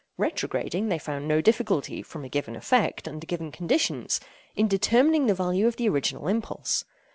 Retrograding, they found no difficulty, from a given effect, under given conditions, in determining the value of the original impulse.